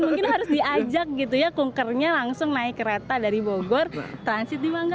mungkin harus diajak gitu ya kunkernya langsung naik kereta dari bogor transit di manggaran